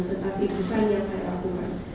tetapi bukan yang saya lakukan